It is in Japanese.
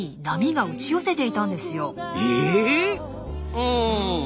うん。